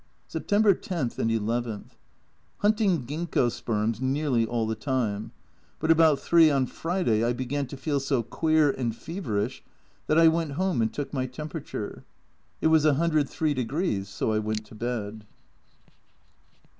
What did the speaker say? September 10 and n. Hunting Ginkgo sperms nearly all the time ; but about 3 on Friday I began to feel so queer and feverish that I went home and took my temperature ; it was 103, so I went to bed.